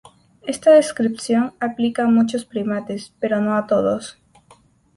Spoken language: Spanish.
Esta descripción aplica a muchos primates, pero no a todos.